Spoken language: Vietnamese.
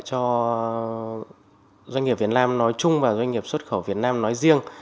cho doanh nghiệp việt nam nói chung và doanh nghiệp xuất khẩu việt nam nói riêng